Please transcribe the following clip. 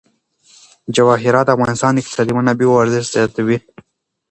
جواهرات د افغانستان د اقتصادي منابعو ارزښت زیاتوي.